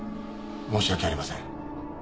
申し訳ありません。